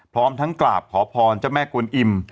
พร้อมทั้งกราบขอพรเจ้าแม่กวนอิ่ม